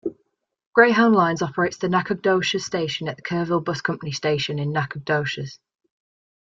Greyhound Lines operates the Nacogdoches Station at the Kerrville Bus Company station in Nacogdoches.